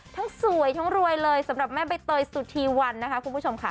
ทั้งสวยทั้งรวยเลยสำหรับแม่ใบเตยสุธีวันนะคะคุณผู้ชมค่ะ